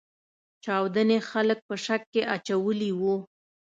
چاودنې خلګ په شک کې اچولي وو.